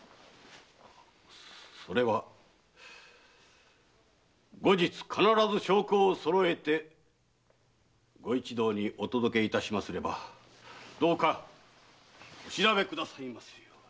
それは後日必ず証拠を揃えてご一同にお届けいたしますればどうかお調べくださいませ。